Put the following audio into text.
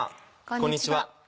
こんにちは。